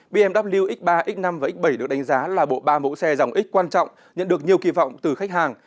bmw x ba x năm và x bảy được đánh giá là bộ ba mẫu xe dòng x quan trọng nhận được nhiều kỳ vọng từ khách hàng